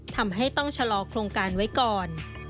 ทำให้ต้องชะลอโครงการไว้ก่อน